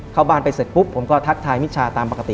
เข้าบ้านไปเสร็จปุ๊บผมก็ทักทายมิชาตามปกติ